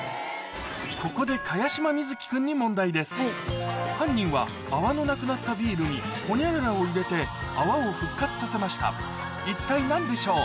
ここで茅島みずき君に犯人は泡のなくなったビールにホニャララを入れて泡を復活させました一体何でしょう？